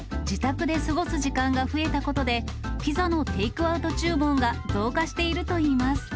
自宅で過ごす時間が増えたことで、ピザのテイクアウト注文が増加しているといいます。